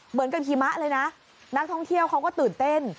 เหมือนกับหิมะเลยนะนักท่องเที่ยวเขาก็ตื่นเต้น